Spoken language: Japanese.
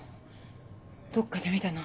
どっかで見たな。